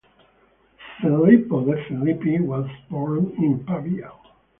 Filippo De Filippi was born in Pavia.